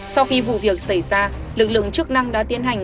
sau khi vụ việc xảy ra lực lượng chức năng đã tiến hành